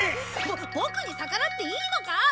ボボクに逆らっていいのか！？